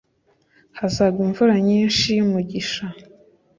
hazagwa imvura nyinshi y umugisha